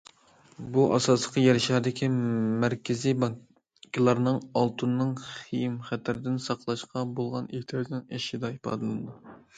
بۇ ئاساسلىقى يەر شارىدىكى مەركىزىي بانكىلارنىڭ ئالتۇننىڭ خېيىم- خەتەردىن ساقلاشقا بولغان ئېھتىياجنىڭ ئېشىشىدا ئىپادىلىنىدۇ.